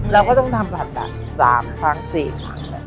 เราก็ต้องทำผัดอ่ะสามครั้งสี่ครั้งเนี้ย